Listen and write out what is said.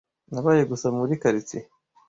Nabaye gusa muri quartier.